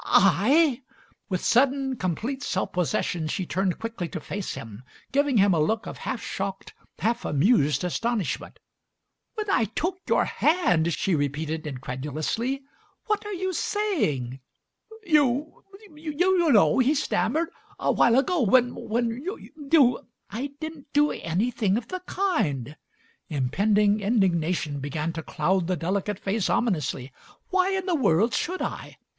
"I!" With sudden, complete self possession she turned quickly to face him, giving him a look of half shocked, half amused astonishment. "When I took your hand?" she repeated in credulously. "What are you saying?" Digitized by Google 156 MARY SMITH "You — you know," he stammered. "A while ago when — when — you — you " "I didn't do anything of the kind!" Impending indignation began to cloud the delicate face omi nously. "Why in the world should I?"